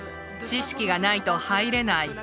知識がないと入れない